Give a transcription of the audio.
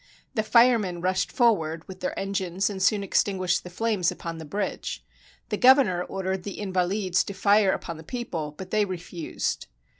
The firemen rushed forward with their engines, and soon extinguished the flames upon the bridge. The governor ordered the Invalides to fire upon the people, but they refused.